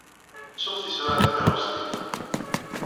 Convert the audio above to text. Ttuɣ tisura n tkerrust-iw.